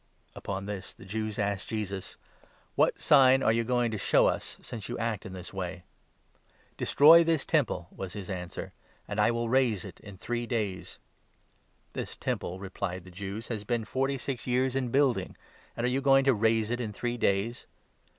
Upon this the Jews asked Jesus : 18 " What sign are you going to show us, since you act in this way ?"" Destroy this temple," was his answer, " and I will raise it 19 in three days." " This Temple," replied the Jews, "has been forty six years 20 in building, and are you going to ' raise it in three days